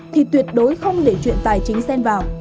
thì tuyệt đối không để chuyện tài chính gen vào